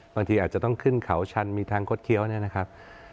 บางทีอาจจะต้องขึ้นเขาชันมีทางคดเคี้ยวเนี่ยนะครับ